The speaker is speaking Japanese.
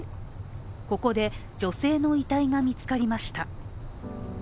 ここで女性の遺体が見つかりました。